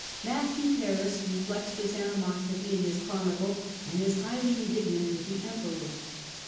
Matthew Paris reflects this animosity in his chronicle and is highly indignant with the Emperor.